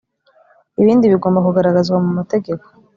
ibindi bigomba kugaragazwa mu mategeko